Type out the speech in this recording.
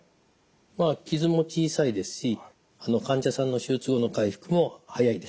まあ傷も小さいですし患者さんの手術後の回復も早いです。